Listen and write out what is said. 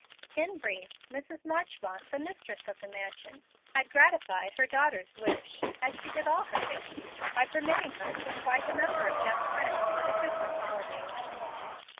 In brief, Mrs. Marchmont, the mistress of the mansion, had gratified her daughter's wish (as she did all her fancies) by permitting her to invite a number of young friends for the Christmas holidays.